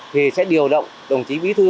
thì sẽ điều động đồng chí bí thư